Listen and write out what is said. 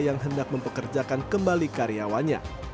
yang hendak mempekerjakan kembali karyawannya